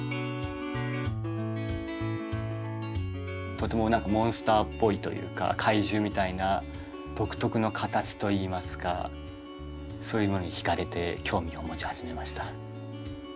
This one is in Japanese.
とても何かモンスターっぽいというか怪獣みたいな独特の形といいますかそういうものに惹かれて興味を持ち始めました。